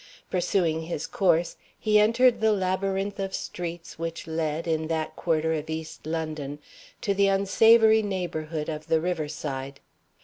Pursuing his course, he entered the labyrinth of streets which led, in that quarter of East London, to the unsavory neighborhood of the river side.